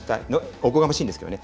おこがましいんですけどね。